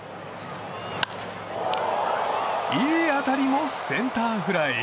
いい当たりもセンターフライ。